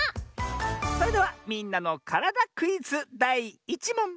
それでは「みんなのからだクイズ」だい１もん！